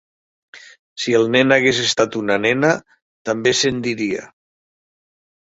Si el nen hagués estat una nena també se'n diria.